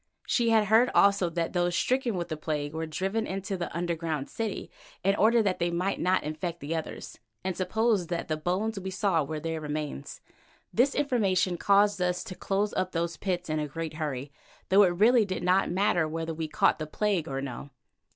She had heard, also, that those stricken with the plague were driven into the underground city in order that they might not infect the others, and supposed that the bones we saw were their remains. This information caused us to close up those pits again in a great hurry, though really it did not matter whether we caught the plague or no.